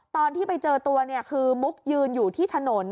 ตอนที่ไปเจอตัวเนี่ยคือมุกยืนอยู่ที่ถนน